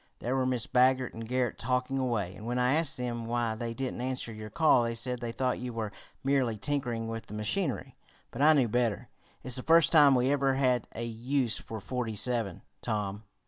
There were Mrs. Baggert and Garret talking away, and when I asked them why they didn't answer your call they said they thought you were merely tinkering with the machinery. But I knew better. It's the first time we ever had a use for 'forty seven,' Tom."